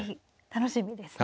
楽しみですね。